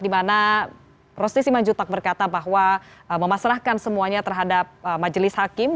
dimana rosti simanjutak berkata bahwa memasrahkan semuanya terhadap majelis hakim